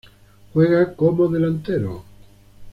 Juega como delantero